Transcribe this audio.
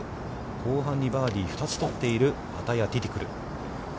後半にバーディー２つ取っているアタヤ・ティティクル。